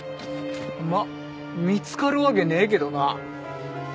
まあ見つかるわけねえけどな。